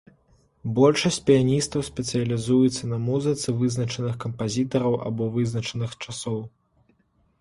Большасць піяністаў спецыялізуецца на музыцы вызначаных кампазітараў або вызначаных часоў.